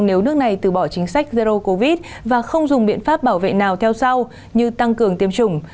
nếu nước này từ bỏ chính sách zero covid và không dùng biện pháp bảo vệ nào theo sau như tăng cường tiêm chủng